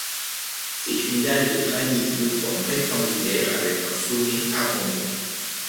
C'est une dalle de granite de forme rectangulaire avec un sommet arrondi.